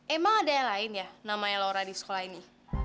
emang ada yang lain ya namanya laura di sekolah ini